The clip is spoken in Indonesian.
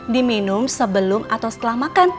diminum sebelum atau setelah makan